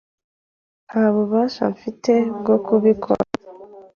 Nta bubasha mfite bwo kubikora.